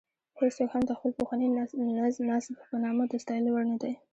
هېڅوک هم د خپل پخواني نسب په نامه د ستایلو وړ نه دی.